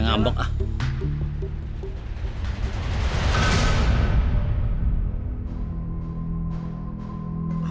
bagaimana ini pak